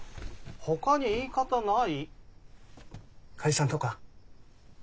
ほかに言い方ない？解散とか。